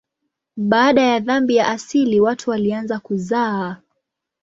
Baada ya dhambi ya asili watu walianza kuzaa.